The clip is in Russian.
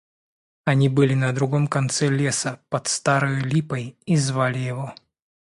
Они были на другом конце леса, под старою липой, и звали его.